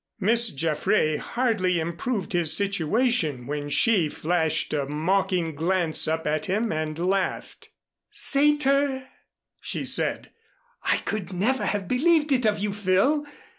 Miss Jaffray hardly improved his situation when she flashed a mocking glance up at him and laughed. "Satyr!" she said. "I could never have believed it of you, Phil.